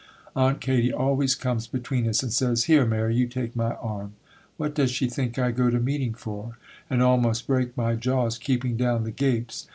Aunt Katy always comes between us and says, "Here, Mary, you take my arm." What does she think I go to meeting for, and almost break my jaws keeping down the gapes?